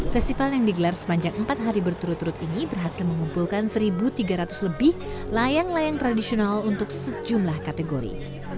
festival yang digelar sepanjang empat hari berturut turut ini berhasil mengumpulkan satu tiga ratus lebih layang layang tradisional untuk sejumlah kategori